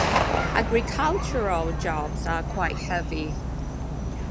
Agricultural jobs are quite heavy.